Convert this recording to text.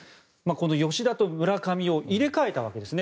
吉田と村上を入れ替えたわけですね。